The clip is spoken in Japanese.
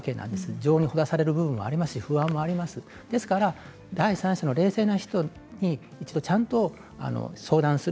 情にほだされる部分もありますし不安もありますし第三者の冷静な人に一度ちゃんと相談する。